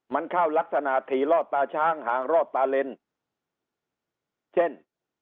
มันเข้ารักษณะถี่รอดตาช้างหางรอดตาเลนเช่น